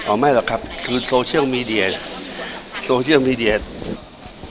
คืออันนั้นเนี่ยจะเป็นอีกจุดหนึ่งไหมคะที่ทำให้ความภูมิใจไทยเนี่ยได้ตัดสินใจว่าจะร่วมมา